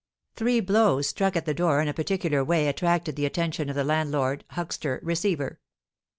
Three blows struck at the door in a particular way attracted the attention of the landlord, huckster, receiver.